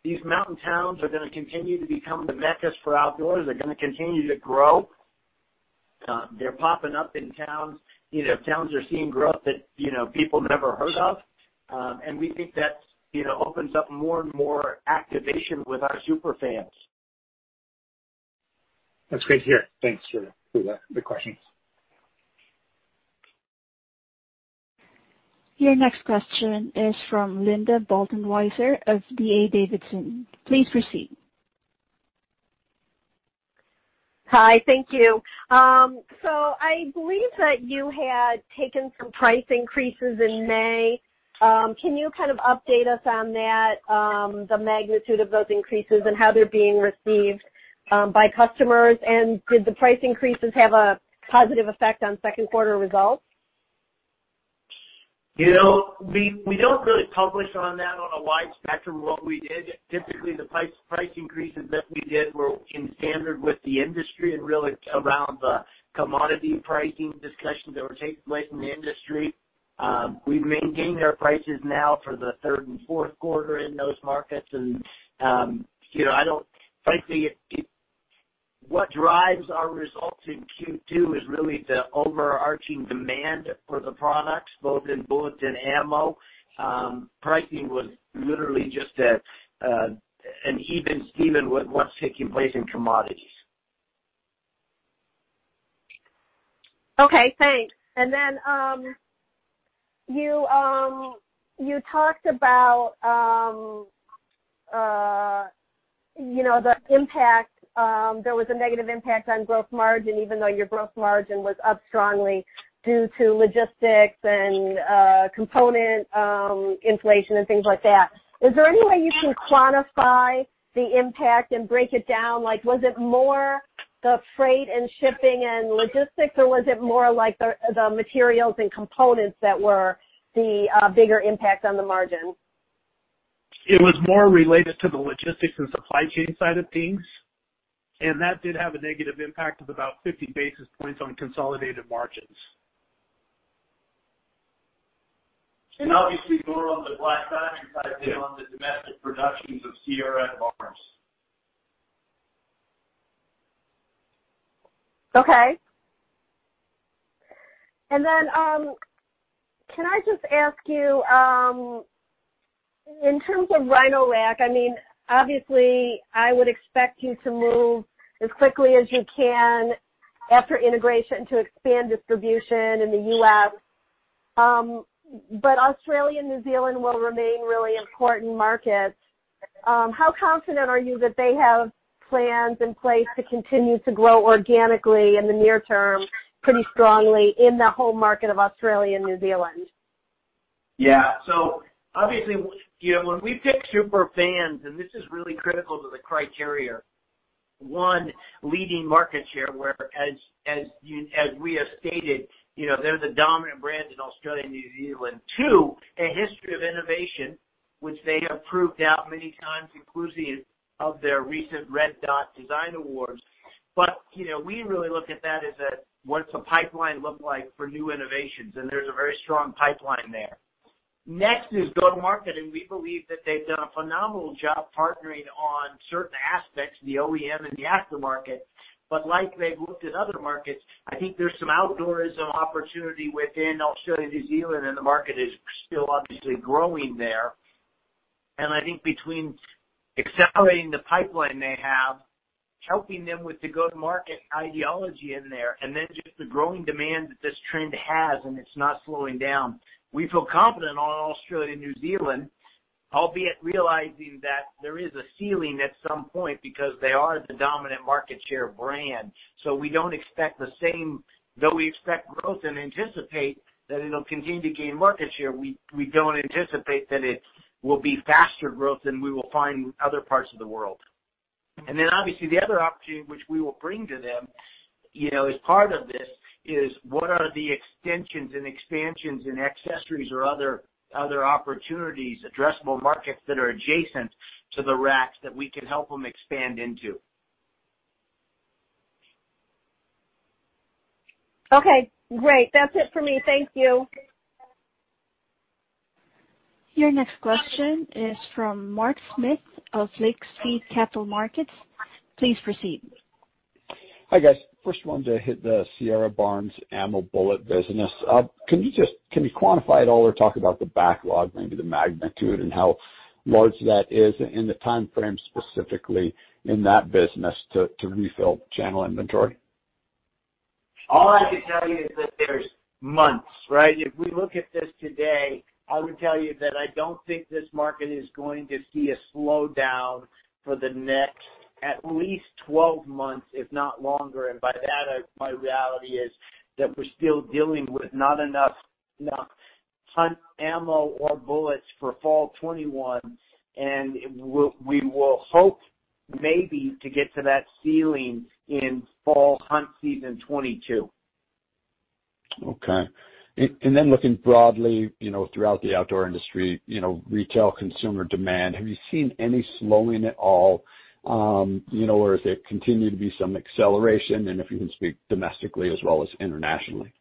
these mountain towns are going to continue to become the meccas for outdoors. They're going to continue to grow. They're popping up in towns. Towns are seeing growth that people never heard of. We think that opens up more and more activation with our super fans. That's great to hear. Thanks for the question. Your next question is from Linda Bolton Weiser of D.A. Davidson. Please proceed. Hi, thank you. I believe that you had taken some price increases in May. Can you kind of update us on that, the magnitude of those increases, and how they're being received by customers? Did the price increases have a positive effect on second quarter results? We don't really publish on that on a wide spectrum of what we did. Typically, the price increases that we did were in standard with the industry and really around the commodity pricing discussions that were taking place in the industry. We've maintained our prices now for the third and fourth quarter in those markets, and frankly. What drives our results in Q2 is really the overarching demand for the products, both in bullets and ammo. Pricing was literally just an even Steven with what's taking place in commodities. Okay, thanks. You talked about the impact. There was a negative impact on gross margin, even though your gross margin was up strongly due to logistics and component inflation and things like that. Is there any way you can quantify the impact and break it down? Was it more the freight and shipping and logistics, or was it more like the materials and components that were the bigger impact on the margin? It was more related to the logistics and supply chain side of things, and that did have a negative impact of about 50 basis points on consolidated margins. Obviously more on the Black Diamond side than on the domestic productions of Sierra Barnes. Okay. can I just ask you in terms of Rhino-Rack, obviously, I would expect you to move as quickly as you can after integration to expand distribution in the U.S. Australia and New Zealand will remain really important markets. How confident are you that they have plans in place to continue to grow organically in the near term, pretty strongly in the home market of Australia and New Zealand? Yeah. Obviously, when we pick super fans, and this is really critical to the criteria, one, leading market share, where as we have stated, they're the dominant brand in Australia and New Zealand. Two, a history of innovation, which they have proved out many times, inclusive of their recent Red Dot Design Awards. We really look at that as a what's the pipeline look like for new innovations? There's a very strong pipeline there. Next is go-to-market, and we believe that they've done a phenomenal job partnering on certain aspects, the OEM and the aftermarket. Like they've looked at other markets, I think there's some outdoors and opportunity within Australia, New Zealand, and the market is still obviously growing there. I think between accelerating the pipeline they have, helping them with the go-to-market ideology in there, and then just the growing demand that this trend has, and it's not slowing down. We feel confident on Australia and New Zealand, albeit realizing that there is a ceiling at some point because they are the dominant market share brand. Though we expect growth and anticipate that it'll continue to gain market share, we don't anticipate that it will be faster growth than we will find in other parts of the world. Obviously the other opportunity which we will bring to them as part of this is what are the extensions and expansions and accessories or other opportunities, addressable markets that are adjacent to the racks that we can help them expand into. Okay, great. That's it for me. Thank you. Your next question is from Mark Smith of Lake Street Capital Markets. Please proceed. Hi, guys. First one to hit the Sierra Barnes Ammo bullet business. Can you quantify at all or talk about the backlog, maybe the magnitude and how large that is in the time frame, specifically in that business to refill channel inventory? All I can tell you is that there's months, right? If we look at this today, I would tell you that I don't think this market is going to see a slowdown for the next at least 12 months, if not longer. By that, my reality is that we're still dealing with not enough hunt ammo or bullets for Fall 2021, and we will hope maybe to get to that ceiling in Fall hunt season 2022. Okay. Looking broadly throughout the outdoor industry, retail consumer demand, have you seen any slowing at all? Has there continued to be some acceleration, and if you can speak domestically as well as internationally?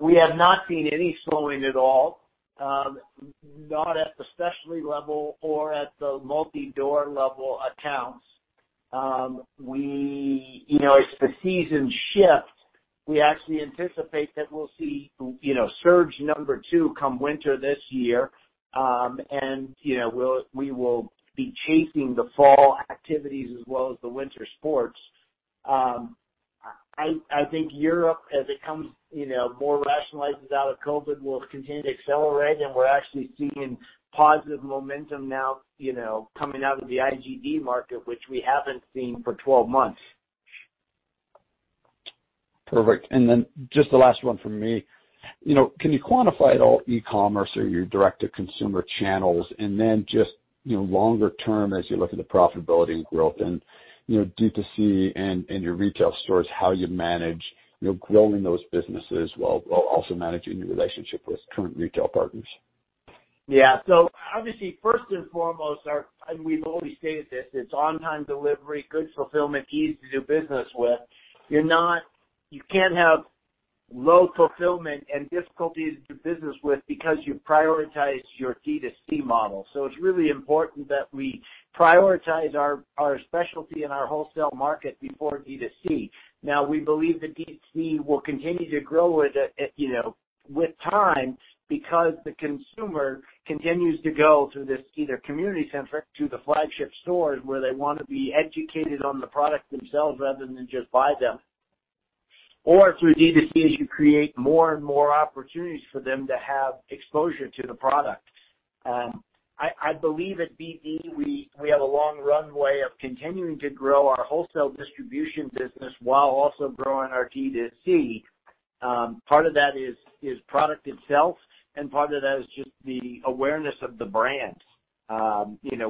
We have not seen any slowing at all, not at the specialty level or at the multi-door level accounts. As the seasons shift, we actually anticipate that we'll see surge number two come winter this year. We will be chasing the fall activities as well as the winter sports. I think Europe, as it comes more rationalized out of COVID, will continue to accelerate, and we're actually seeing positive momentum now coming out of the IGD market, which we haven't seen for 12 months. Perfect. Just the last one from me. Can you quantify at all e-commerce or your direct-to-consumer channels and then just longer term as you look at the profitability and growth and D2C and your retail stores, how you manage growing those businesses while also managing your relationship with current retail partners? Yeah. Obviously first and foremost, and we've always stated this, it's on-time delivery, good fulfillment, easy to do business with. You can't have low fulfillment and difficulties to do business with because you prioritize your D2C model. It's really important that we prioritize our specialty and our wholesale market before D2C. Now, we believe that D2C will continue to grow with time because the consumer continues to go to this either community center, to the flagship stores where they want to be educated on the product themselves rather than just buy them. Through D2C, as you create more and more opportunities for them to have exposure to the product. I believe at BD, we have a long runway of continuing to grow our wholesale distribution business while also growing our D2C. Part of that is product itself, and part of that is just the awareness of the brands.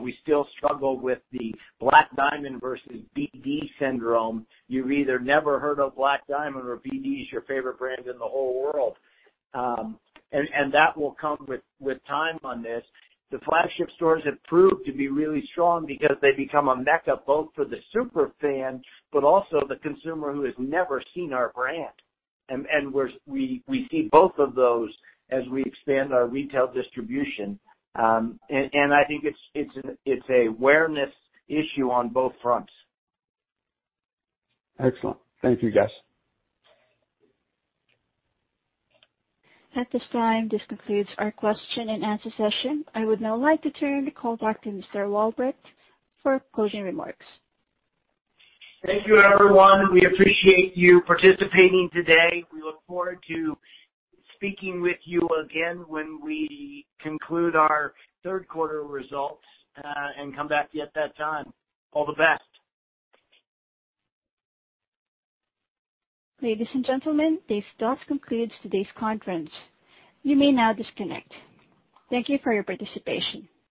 We still struggle with the Black Diamond versus BD syndrome. You've either never heard of Black Diamond or BD is your favorite brand in the whole world. That will come with time on this. The flagship stores have proved to be really strong because they become a mecca both for the super fan, but also the consumer who has never seen our brand. We see both of those as we expand our retail distribution. I think it's an awareness issue on both fronts. Excellent. Thank you, guys. At this time, this concludes our question and answer session. I would now like to turn the call back to Mr. Walbrecht for closing remarks. Thank you, everyone. We appreciate you participating today. We look forward to speaking with you again when we conclude our third quarter results, and come back at that time. All the best. Ladies and gentlemen, this does conclude today's conference. You may now disconnect. Thank you for your participation.